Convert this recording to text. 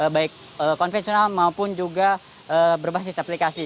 baik konvensional maupun juga berbasis aplikasi